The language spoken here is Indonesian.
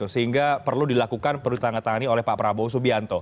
sehingga perlu dilakukan perlu ditandatangani oleh pak prabowo subianto